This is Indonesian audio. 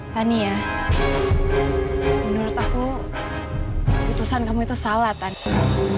tania menurut aku keputusan kamu itu salah tania